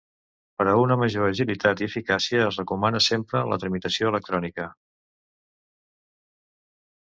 Per a una major agilitat i eficàcia es recomana sempre la tramitació electrònica.